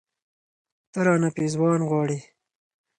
، ته رانه پېزوان غواړې